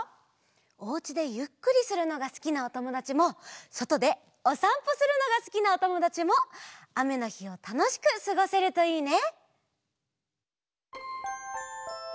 おうちでゆっくりするのがすきなおともだちもそとでおさんぽするのがすきなおともだちもあめのひをたのしくすごせるといいね！